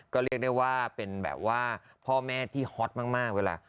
ก็เรียกได้ว่าเป็นแบบว่าพ่อแม่ที่ฮอตมากเวลา